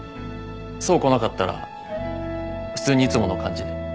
想来なかったら普通にいつもの感じで。